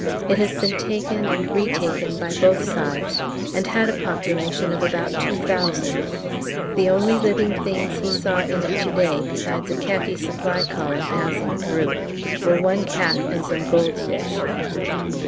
It has been taken and retaken by both sides, and had a population of about 2000. The only living things he saw in it to day besides a khaki supply column passing through were one cat and some goldfish.